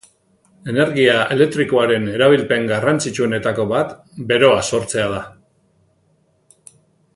Energia elektrikoaren erabilpen garrantzitsuenetako bat beroa sortzea da.